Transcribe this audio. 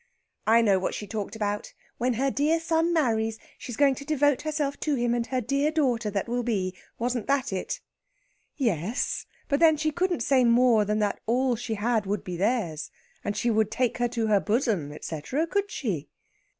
"I know what she talked about. When her dear son marries, she's going to devote herself to him and her dear daughter that will be. Wasn't that it?" "Yes; but then she couldn't say more than that all she had would be theirs, and she would take her to her bosom, etcetera. Could she?"